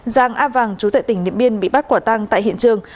giang á vàng chú tại tỉnh niệm biên bị bắt quả tăng tại hiện trường